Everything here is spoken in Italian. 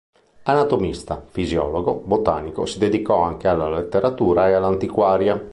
Anatomista, fisiologo, botanico, si dedicò anche alla letteratura e all'antiquaria.